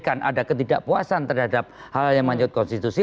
ada ketidakpuasan terhadap hal yang menanjut konstitusi